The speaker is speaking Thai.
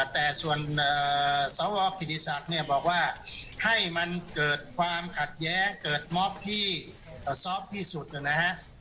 แต่ส่วนทราบพิธีศาสตร์บอกว่าให้มันเกิดความขัดแย้เกิดมอบที่ทราบที่สุดนะฮะ